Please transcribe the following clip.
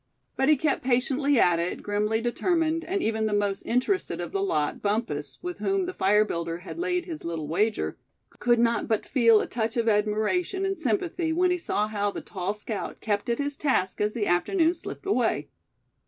But he kept patiently at it, grimly determined; and even the most interested of the lot, Bumpus, with whom the fire builder had laid his little wager, could not but feel a touch of admiration and sympathy when he saw how the tall scout kept at his task as the afternoon slipped away.